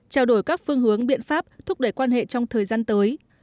trao đổi các phương hướng biện pháp thúc đẩy quan hệ trong thời gian tới